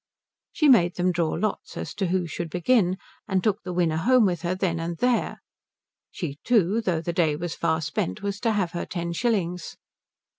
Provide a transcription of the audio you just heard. She made them draw lots as to who should begin, and took the winner home with her then and there; she too, though the day was far spent, was to have her ten shillings.